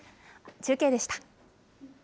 中継でした。